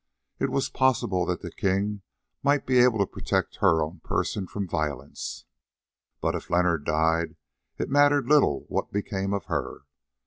It was possible that the king might be able to protect her own person from violence, but if Leonard died it mattered little what became of her.